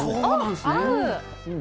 合う！